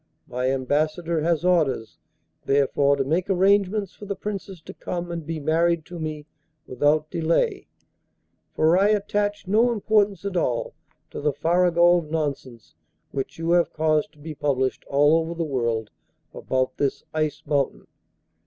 My Ambassador has orders, therefore, to make arrangements for the Princess to come and be married to me without delay for I attach no importance at all to the farrago of nonsense which you have caused to be published all over the world about this Ice Mountain.